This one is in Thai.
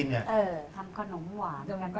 มันยากค่ะแต่หนูกินข้าวต้มเผ็ดเฉยได้นะคะ